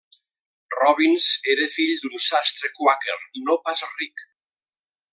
Robins era fill d'un sastre quàquer no pas ric.